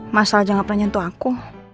masalah aja gak pernah nyentuh aku